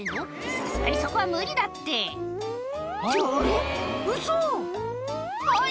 さすがにそこは無理だってってあれ？